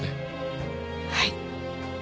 はい。